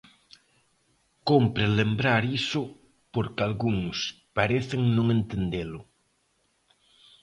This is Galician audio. Cómpre lembrar iso porque algúns parecen non entendelo.